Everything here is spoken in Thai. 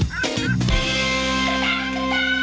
กระดาษ